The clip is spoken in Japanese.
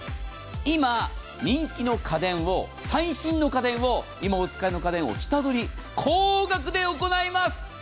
今、人気の家電を、最新の家電を、今お使いの家電を下取り、高額で行います。